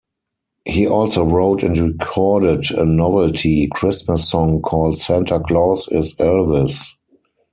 He also wrote and recorded a novelty Christmas song called "Santa Claus is Elvis".